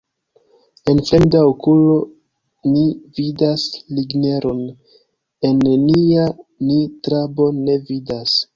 En fremda okulo ni vidas ligneron, en nia ni trabon ne vidas.